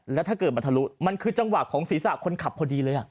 แล้วถ้าเกิดมันทะลุมันคือจังหวะของศีรษะคนขับพอดีเลย